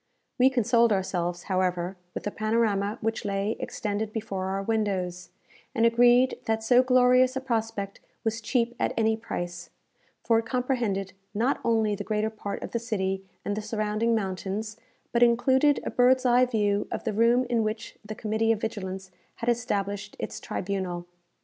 We consoled ourselves, however, with the panorama which lay extended before our windows, and agreed that so glorious a prospect was cheap at any price; for it comprehended, not only the greater part of the city and the surrounding mountains, but included a bird's eye view of the room in which the Committee of Vigilance had established its tribunal.